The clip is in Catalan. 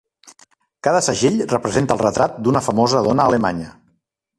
Cada segell representa el retrat d'una famosa dona alemanya.